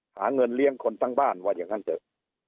หาเงินเลี้ยงคนทั้งบ้านว่าอย่างนั้นเถอะ